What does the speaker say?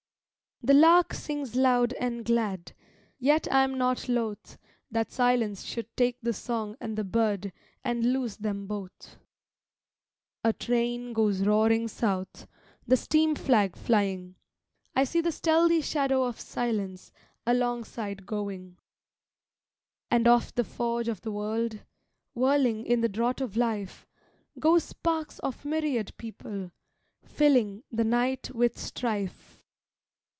The lark sings loud and glad, Yet I am not loth That silence should take the song and the bird And lose them both. A train goes roaring south, The steam flag flying; I see the stealthy shadow of silence Alongside going. And off the forge of the world, Whirling in the draught of life, Go sparks of myriad people, filling The night with strife.